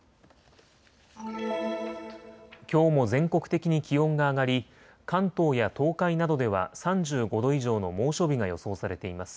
きょうも全国的に気温が上がり関東や東海などでは３５度以上の猛暑日が予想されています。